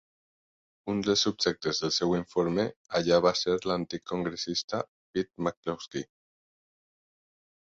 Un dels subjectes del seu informe allà va ser l'antic congressista Pete McCloskey.